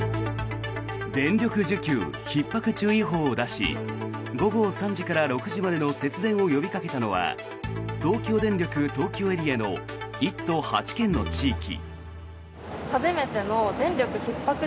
電力需給ひっ迫注意報を出し午後３時から６時までの節電を呼びかけたのは東京電力東京エリアの１都８県の地域。